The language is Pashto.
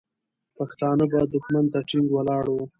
پښتانه به دښمن ته ټینګ ولاړ وو.